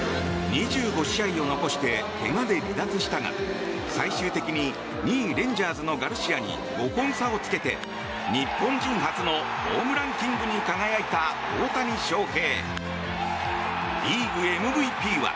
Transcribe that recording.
２５試合を残して怪我で離脱したが最終的に２位レンジャーズのガルシアに５本差をつけて日本人初のホームランキングに輝いた大谷翔平。